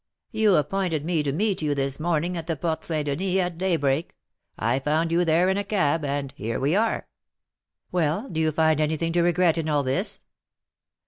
You appointed me to meet you this morning at the Porte St. Denis, at daybreak; I found you there in a cab, and here we are." "Well, do you find anything to regret in all this?"